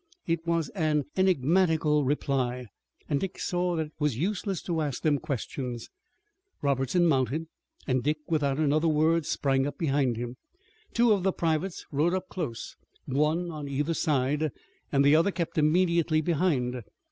It was an enigmatical reply, and Dick saw that it was useless to ask them questions. Robertson mounted, and Dick, without another word, sprang up behind him. Two of the privates rode up close, one on either side, and the other kept immediately behind.